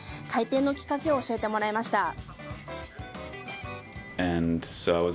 開店のきっかけを教えてもらいました。